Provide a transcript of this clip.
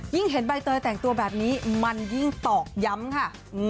เห็นใบเตยแต่งตัวแบบนี้มันยิ่งตอกย้ำค่ะ